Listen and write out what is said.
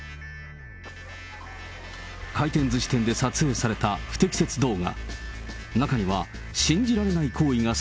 回転ずし店で撮影された不適切動画。